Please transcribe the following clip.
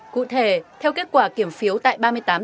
cụ thể theo kết quả kiểm phiếu tại ba mươi ba đồng